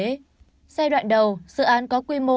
giai đoạn đầu dự án có quy mô